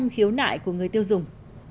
một bốn trăm linh khiếu nại của người tiêu dùng